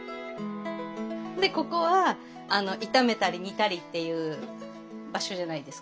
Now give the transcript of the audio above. でここは炒めたり煮たりっていう場所じゃないですか。